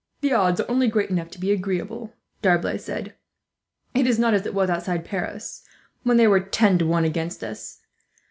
"The odds are only great enough to be agreeable," D'Arblay laughed. "It is not as it was outside Paris, where they were ten to one against us.